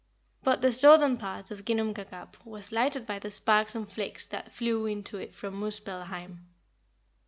But the southern part of Ginnungagap was lighted by the sparks and flakes that flew into it from Muspellheim."